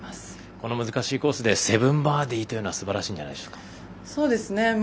この難しいコースで７バーディーというのはすばらしいんじゃないでしょうか。